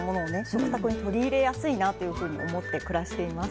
食卓に取り入れやすいなというふうに思って暮らしています。